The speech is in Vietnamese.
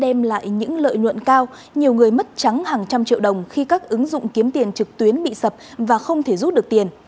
để đem lại những lợi nhuận cao nhiều người mất trắng hàng trăm triệu đồng khi các ứng dụng kiếm tiền trực tuyến bị sập và không thể rút được tiền